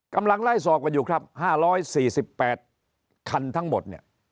กำลังไล่สอบไปอยู่ครับ๕๔๘คันทั้งหมด